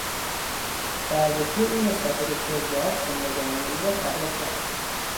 بردگی او نسبت به تریاک زندگانی او را تباه کرد.